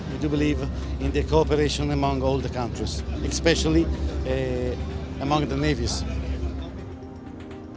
kita percaya di kooperasi antara semua negara terutama antara pesawat